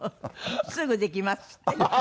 「すぐできます」って？ハハハ！